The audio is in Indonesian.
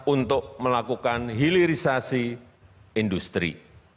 untuk melakukan hilirisasi industri